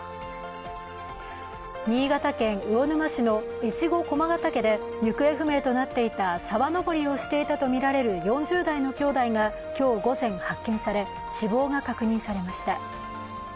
新潟県魚沼市の越後駒ヶ岳で行方不明となっていた沢登りをしていたとみられる４０代のきょうだいが今日午前発見され死亡が確認されました。